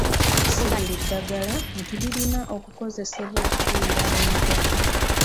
Si buli ddagala nti lirina okukozesebwa okufuuyira enkwa.